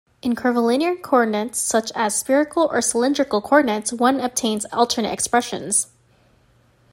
In curvilinear coordinates, such as spherical or cylindrical coordinates, one obtains alternative expressions.